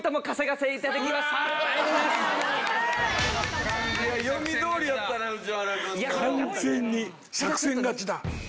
完全に作戦勝ちだ。